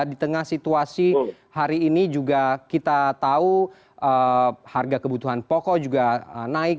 di tengah situasi hari ini juga kita tahu harga kebutuhan pokok juga naik